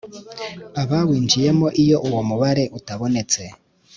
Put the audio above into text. abawinjiyemo iyo uwo mubare utabonetse